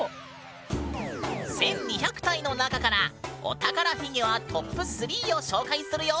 １，２００体の中からお宝フィギュアトップ３を紹介するよ！